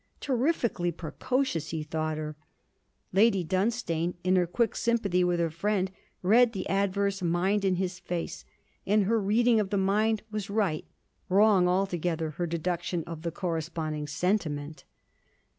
Terrifically precocious, he thought her. Lady Dunstane, in her quick sympathy with her friend, read the adverse mind in his face. And her reading of the mind was right, wrong altogether her deduction of the corresponding sentiment.